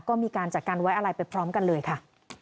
ก็มีการจัดการไว้อะไรไปพร้อมกันเลยค่ะ